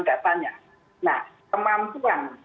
datanya nah kemampuan